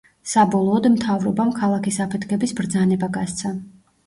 საბოლოოდ მთავრობამ ქალაქის აფეთქების ბრძანება გასცა.